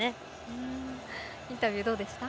インタビューどうでした？